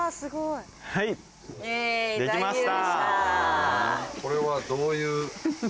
はいできました。